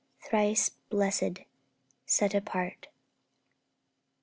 thrice blessèd 'set apart'!